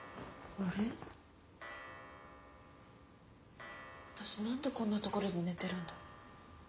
あたし何でこんなところで寝てるんだろう。